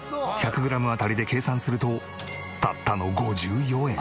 １００グラム当たりで計算するとたったの５４円。